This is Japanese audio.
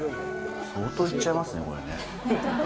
相当いっちゃいますね、これね。